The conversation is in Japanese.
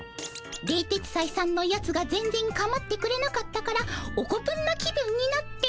「冷徹斎さんのやつが全然かまってくれなかったからオコプンな気分になって」。